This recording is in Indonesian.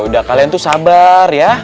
udah kalian tuh sabar ya